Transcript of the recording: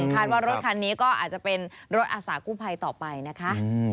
คาดว่ารถคันนี้ก็อาจจะเป็นรถอาสากู้ภัยต่อไปนะคะ